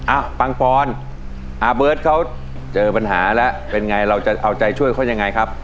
ปังปอนอาเบิร์ตเขาเจอปัญหาแล้วเป็นไงเราจะเอาใจช่วยเขายังไงครับ